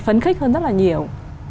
phấn khích hơn rất là nhiều